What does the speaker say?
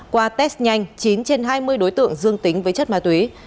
qua test nhanh chín trên hai mươi đối tượng dương tính với chất ma túy